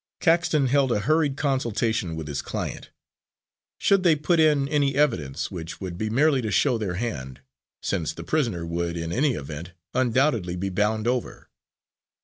Caxton held a hurried consultation with his client. Should they put in any evidence, which would be merely to show their hand, since the prisoner would in any event undoubtedly be bound over?